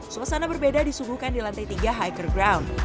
suasana berbeda disungguhkan di lantai tiga hiker ground